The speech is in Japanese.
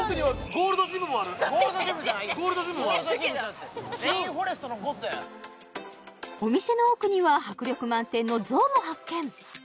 ゴールドジムもあるゴールドジムじゃなくてレインフォレストのゴッドやお店の奥には迫力満点のゾウも発見